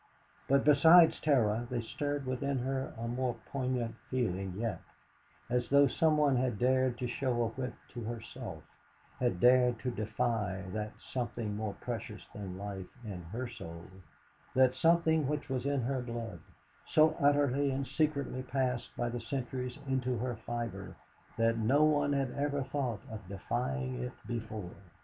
But besides terror they stirred within her a more poignant feeling yet, as though someone had dared to show a whip to herself, had dared to defy that something more precious than life in her soul, that something which was of her blood, so utterly and secretly passed by the centuries into her fibre that no one had ever thought of defying it before.